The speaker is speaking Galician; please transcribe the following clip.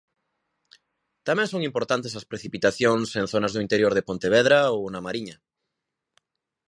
Tamén son importantes as precipitacións en zonas do interior de Pontevedra ou Na Mariña.